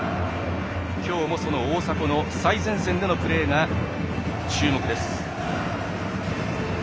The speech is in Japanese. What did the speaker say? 今日もその大迫の最前線でのプレーに注目です。